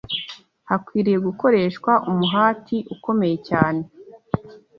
Hakwiriye gukoreshwa umuhati ukomeye cyane